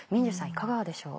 いかがでしょう？